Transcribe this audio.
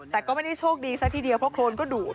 แต่ก็ไม่ได้โชคดีซะทีเดียวเพราะโครนก็ดูด